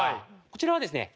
こちらはですね